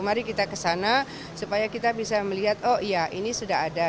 mari kita kesana supaya kita bisa melihat oh iya ini sudah ada